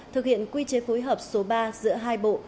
thực hiện quy chế phối hợp số ba giữa hai bộ